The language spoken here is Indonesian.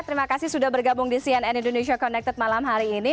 terima kasih sudah bergabung di cnn indonesia connected malam hari ini